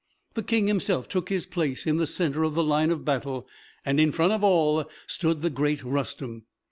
The King himself took his place in the center of the line of battle, and in front of all stood the great Rustem.